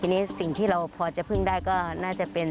ทีนี้สิ่งที่เราพอจะพึ่งได้ก็น่าจะเป็น